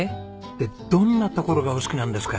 でどんなところがお好きなんですか？